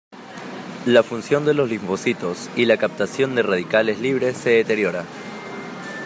La función de los linfocitos y la captación de radicales libres se deteriora.